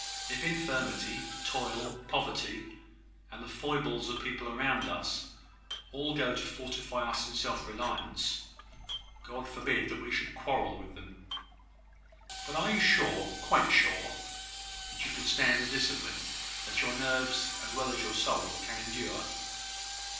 If infirmity, toil, poverty, and the foibles of people about us, all go to fortify us in self reliance, God forbid that we should quarrel with them!" "But are you sure, quite sure, that you can stand the discipline? that your nerves, as well as your soul, can endure?"